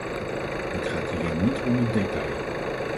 Het gaat hierin niet om een detail.